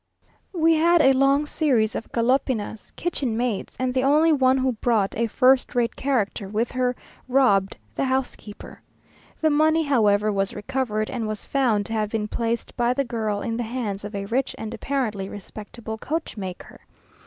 We had a long series of galopinas, kitchen maids, and the only one who brought a first rate character with her, robbed the housekeeper. The money, however, was recovered, and was found to have been placed by the girl in the hands of a rich and apparently respectable coachmaker.